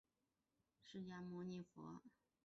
唐密秽迹金刚像上顶有释迦牟尼佛。